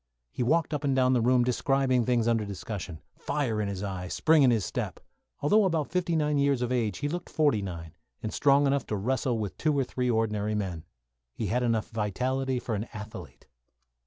He walked up and down the room describing things under discussion; fire in his eye, spring in his step. Although about fifty nine years of age, he looked forty five, and strong enough to wrestle with two or three ordinary men. He had enough vitality for an athlete.